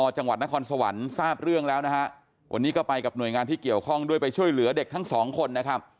จังหวัดนครสวรรค์ทราบเรื่องแล้วนะฮะวันนี้ก็ไปกับหน่วยงานที่เกี่ยวข้องด้วยไปช่วยเหลือเด็กทั้งสองคนนะครับ